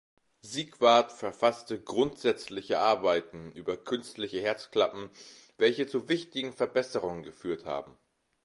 Sigwart verfasste grundsätzliche Arbeiten über künstliche Herzklappen, welche zu wichtigen Verbesserungen geführt haben.